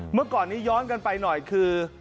เมื่อก่อนนี้ย้อนกันไปหน่อยคือ